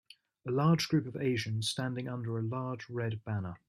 A large group of Asians standing under a large red banner.